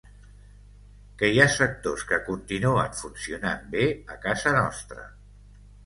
Que hi ha sectors que continuen funcionant bé a casa nostra.